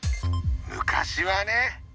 昔はね！